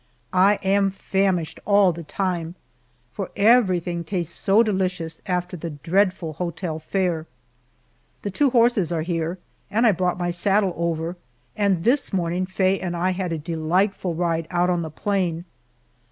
I am famished all the time, for everything tastes so delicious after the dreadful hotel fare. The two horses are here, and I brought my saddle over, and this morning Faye and I had a delightful ride out on the plain.